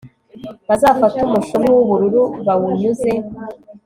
Bazafate umushumi w ubururu bawunyuze